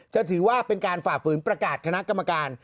จะถือว่าเป็นการฝ่าฝืนประกาศคณะกรรมการ